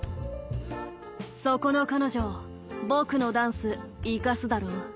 「そこの彼女僕のダンスいかすだろ」。